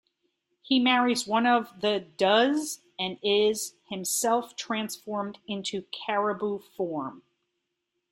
He marries one of the does, and is himself transformed into caribou form.